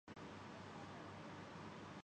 جناب محمد علی درانی کوان کا قول زریں یاد ہو گا۔